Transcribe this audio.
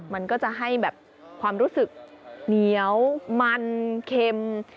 มันก็จะให้แบบความรู้สึกเหนียวมันเค็ม